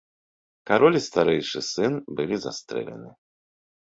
Кароль і старэйшы сын былі застрэлены.